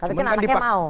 kalau begitu anaknya mau